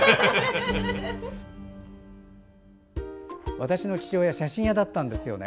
私の父親は写真屋だったんですよね。